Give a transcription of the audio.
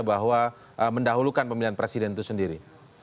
bahwa mendahulukan pemilihan presiden itu sendiri